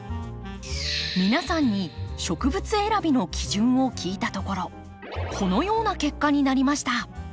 皆さんに植物選びの基準を聞いたところこのような結果になりました。